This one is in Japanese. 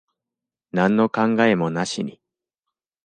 なんの考えもなしに。